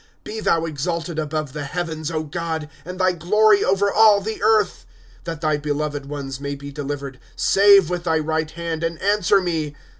^ Be thou exalted ahove the heavens, God, And thy glory over all the earth !* That thy beloved ones may be delivered, Save with thy right hand, and answer me.